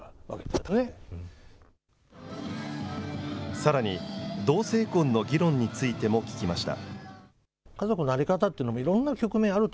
さらに、同性婚の議論についても聞きました。